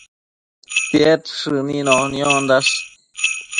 Tied shënino niondash